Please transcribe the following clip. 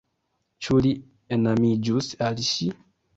Ĉu li enamiĝus al ŝi?